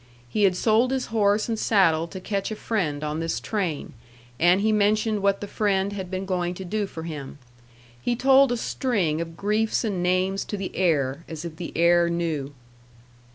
He had sold his horse and saddle to catch a friend on this train, and he mentioned what the friend had been going to do for him. He told a string of griefs and names to the air, as if the air knew.